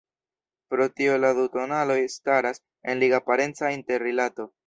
Pro tio la du tonaloj staras en liga parenca interrilato.